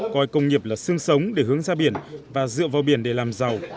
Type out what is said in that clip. coi công nghiệp là sương sống để hướng ra biển và dựa vào biển để làm giàu